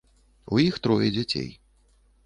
У іх трое дзяцей.